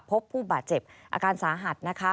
พบผู้บาดเจ็บอาการสาหัสนะคะ